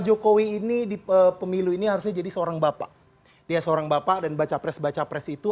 jokowi ini di pemilu ini harusnya jadi seorang bapak dia seorang bapak dan baca pres baca pres itu